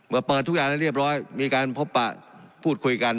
เปิดทุกอย่างแล้วเรียบร้อยมีการพบปะพูดคุยกัน